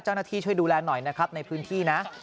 เจ้าหน้าที่ช่วยดูแลหน่อยนะครับในพื้นที่นะ